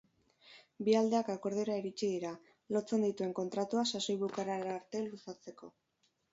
Bi aldeak akordiora iritsi dira, lotzen dituen kontratua sasoi bukaerara arte luzatzeko.